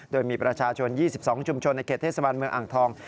โดยมีประชาชน๒๒ชุมชนในเขตเทศบาลเมืองอ่างทอง